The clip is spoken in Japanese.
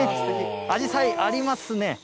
あじさいありますね。